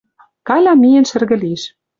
Каля миэн шӹргӹ лиш